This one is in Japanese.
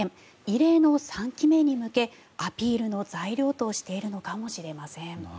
異例の３期目に向けアピールの材料としているのかもしれません。